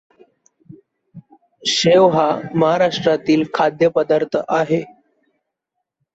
शेव हा महाराष्ट्रातील खाद्यपदार्थ आहे.